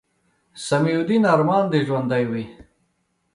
سمیع الدین ارمان دې ژوندے وي